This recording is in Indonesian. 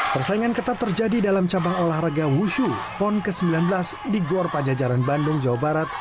persaingan ketat terjadi dalam cabang olahraga wushu pon ke sembilan belas di gor pajajaran bandung jawa barat